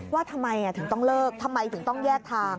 ว่าทำไมถึงต้องเลิกทำไมถึงต้องแยกทาง